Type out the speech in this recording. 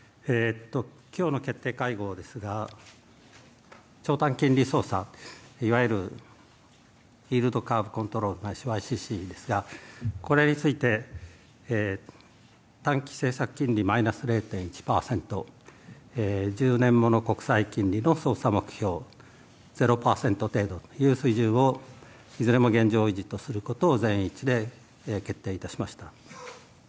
きょうの決定会合ですが、長短金利操作、いわゆるイールドカーブ・コントロール・ＹＣＣですが、これについて、短期政策金利マイナス０．１％、１０年もの国債金利の操作目標０％程度という水準をいずれも現状維持とすることを、全員一致で決定いたしました。